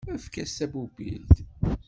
Efk-as tapupilt!